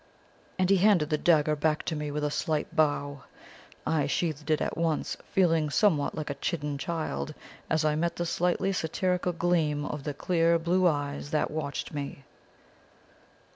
"And he handed the dagger back to me with a slight bow. I sheathed it at once, feeling somewhat like a chidden child, as I met the slightly satirical gleam of the clear blue eyes that watched me.